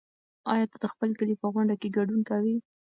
ایا ته د خپل کلي په غونډه کې ګډون کوې؟